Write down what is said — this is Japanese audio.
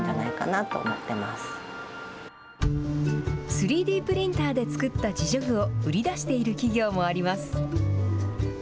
３Ｄプリンターで作った自助具を売り出している企業もあります。